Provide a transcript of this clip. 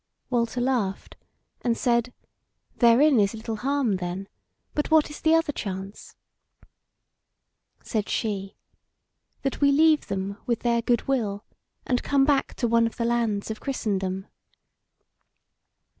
Walter laughed and said: "Therein is little harm then. But what is the other chance?" Said she: "That we leave them with their goodwill, and come back to one of the lands of Christendom."